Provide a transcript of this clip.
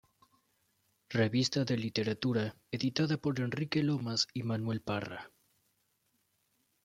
Revista de literatura" editada por Enrique Lomas y Manuel Parra.